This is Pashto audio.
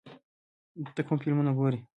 ته کوم فلمونه ګورې؟